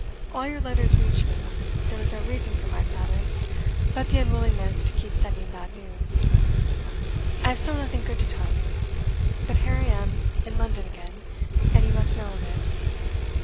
All your letters reached me; there was no reason for my silence but the unwillingness to keep sending bad news. I have still nothing good to tell you, but here I am in London again, and you must know of it.